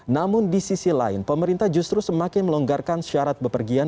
namun di sisi lain pemerintah justru semakin melonggarkan syarat bepergian